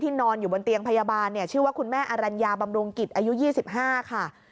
นอนอยู่บนเตียงพยาบาลเนี่ยชื่อว่าคุณแม่อรัญญาบำรุงกิจอายุ๒๕ค่ะ